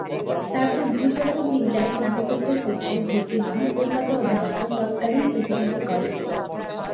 তারপর ভূতত্ববিদ্যায় স্নাতকোত্তর করতে ভরতি হন কলকাতা অধীনস্থ তৎকালীন প্রেসিডেন্সি কলেজে।